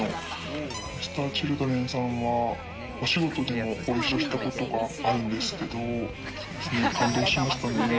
Ｍｒ．Ｃｈｉｌｄｒｅｎさんは、お仕事でもご一緒したことがあるんですけど、感動しましたね。